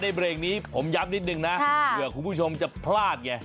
ต่อมาเปรย์งนี้ผมยั้มนิดหนึ่งนะเผื่อคุณผู้ชมจะพลาด